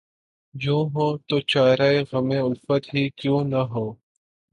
یوں ہو‘ تو چارۂ غمِ الفت ہی کیوں نہ ہو